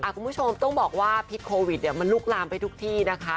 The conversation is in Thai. คุณผู้ชมต้องบอกว่าพิษโควิดมันลุกลามไปทุกที่นะคะ